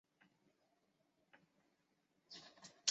罗马书可能写于哥林多或靠近坚革哩。